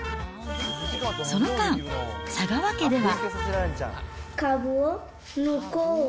その間、佐川家では。